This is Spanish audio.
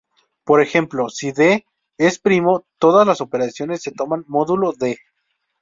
Por ejemplo, si |D| es primo, todas las operaciones se toman módulo |D|.